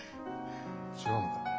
違うのか？